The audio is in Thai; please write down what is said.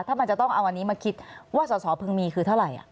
ถ้ามันจะต้องเอาอันนี้มาคิดว่าสอสอพึงมีคือเท่าไหร่